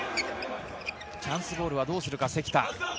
チャンスボールはどうするか、関田。